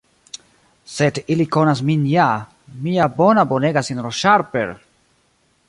Sed ili konas min ja, mia bona kaj bonega S-ro Sharper!